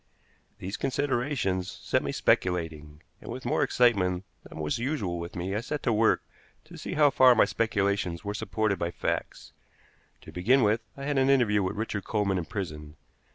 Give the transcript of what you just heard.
These considerations set me speculating and, with more excitement than was usual with me, I set to work to see how far my speculations were supported by facts. To begin with, I had an interview with Richard Coleman in prison.